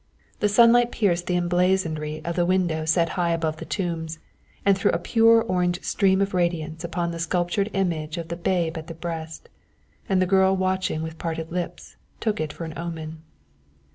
The sunlight pierced the emblazonry of the window set high above the tombs, and threw a pure orange stream of radiance upon the sculptured image of the babe at the breast, and the girl watching with parted lips took it for an omen.